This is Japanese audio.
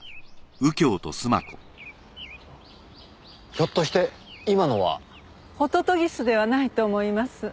ひょっとして今のは。ホトトギスではないと思います。